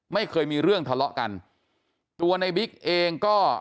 ไม่เคยมีเรื่องทะเลาะกันตัวในบิ๊กเองก็